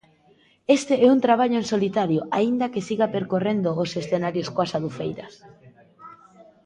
Este é un traballo en solitario aínda que siga percorrendo os escenarios coas Adufeiras.